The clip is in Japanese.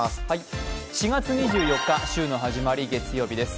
４月２４日、週の始まり、月曜日です。